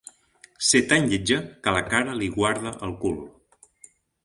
Ser tan lletja, que la cara li guarda el cul.